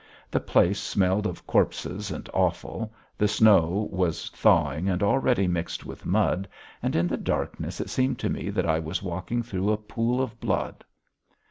The place smelled of corpses and offal, the snow was thawing and already mixed with mud, and in the darkness it seemed to me that I was walking through a pool of blood.